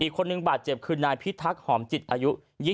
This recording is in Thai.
คนหนึ่งบาดเจ็บคือนายพิทักษ์หอมจิตอายุ๒๒